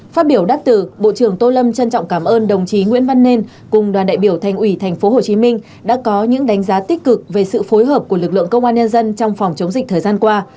phát biểu đáp từ bộ trưởng tô lâm trân trọng cảm ơn đồng chí nguyễn văn nên cùng đoàn đại biểu thành ủy tp hcm đã có những đánh giá tích cực về sự phối hợp của lực lượng công an nhân dân trong phòng chống dịch thời gian qua